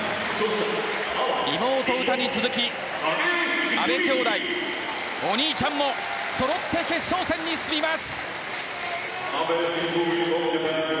妹・詩に続き阿部兄妹のお兄ちゃんもそろって決勝戦に進みます。